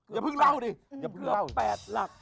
อย่าเพิ่งเล่าดิ